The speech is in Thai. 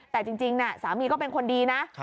แต่จริงสามีก็เป็นคนดีนะ